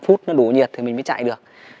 một mươi năm phút nó đủ nhiệt thì mình mới chạy được